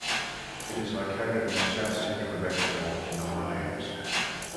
It is located in the south center of Ecuador in the highlands.